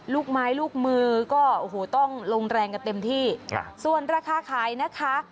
ลูกไม้ลูกมือก็โอ้โหต้องลงแรงกันเต็มที่ส่วนราคาขายนะคะ